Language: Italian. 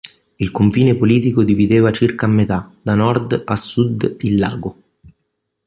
Il confine politico divideva circa a metà, da nord a sud il Lago.